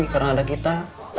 karena ada kita